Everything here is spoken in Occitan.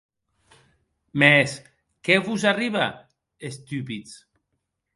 Mès, qué vos arribe, estupids?